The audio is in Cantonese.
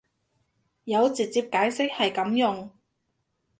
有直接解釋係噉用